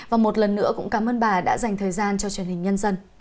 và một lần nữa cũng cảm ơn bà đã dành thời gian cho truyền hình nhân dân